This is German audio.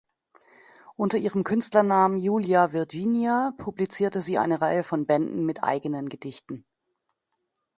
Unter Ihrem Künstlernamen Julia Virginia publizierte sie eine Reihe von Bänden mit eigenen Gedichten.